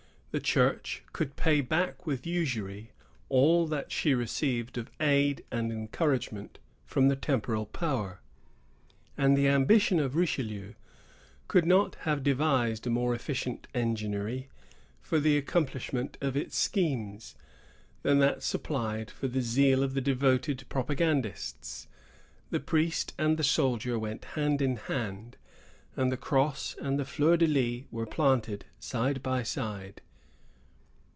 The Church could pay back with usury all that she received of aid and encouragement from the temporal power; and the ambition of Richelieu could not have devised a more efficient enginery for the accomplishment of its schemes, than that supplied by the zeal of the devoted propagandists. The priest and the soldier went hand in hand; and the cross and the fleur de lis were planted side by side.